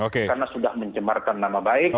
karena sudah mencemarkan nama baik